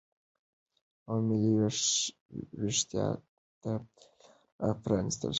او ملي وېښتیا ته لاره پرا نستل شوه